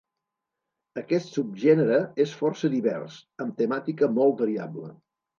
Aquest subgènere és força divers, amb temàtica molt variable.